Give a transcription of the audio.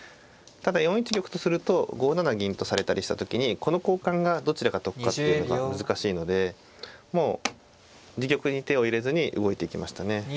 ただ４一玉とすると５七銀とされたりした時にこの交換がどちらが得かっていうのが難しいのでもう自玉に手を入れずに動いていきましたね。